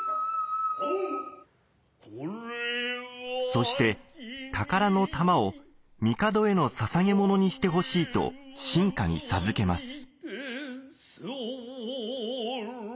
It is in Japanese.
そして宝の珠を帝への捧げ物にしてほしいと臣下に授けます。